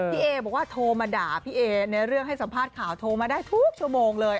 เอบอกว่าโทรมาด่าพี่เอในเรื่องให้สัมภาษณ์ข่าวโทรมาได้ทุกชั่วโมงเลย